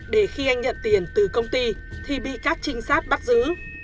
để khi anh nhận tiền từ công ty thì bị các trinh sát bắt giữ